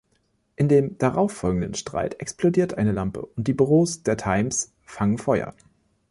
In dem darauf folgenden Streit explodiert eine Lampe und die Büros der „Times“ fangen Feuer.